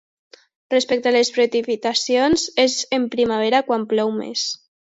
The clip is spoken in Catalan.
Respecte a les precipitacions, és en Primavera quan plou més.